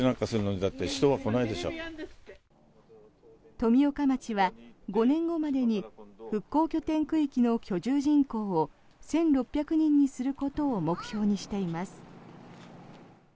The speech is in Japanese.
富岡町は５年後までに復興拠点区域の居住人口を１６００人にすることを目標にしています。